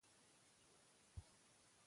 شوخي.